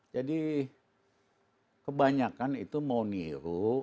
jadi kebanyakan itu mau niru